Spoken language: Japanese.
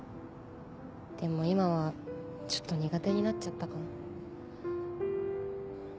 でも今はちょっと苦手になっちゃったかも。